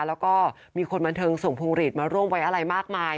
แล้วก็มีคนบันเทิงส่งพวงหลีดมาร่วมไว้อะไรมากมาย